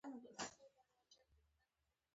سپین بولدک بندر له کویټې سره څومره نږدې دی؟